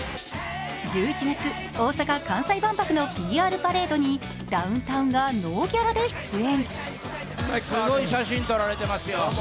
１１月、大阪・関西万博のＰＲパレードにダウンタウンがノーギャラで出演。